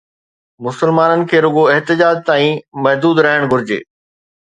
مسلمانن کي رڳو احتجاج تائين محدود رهڻ گهرجي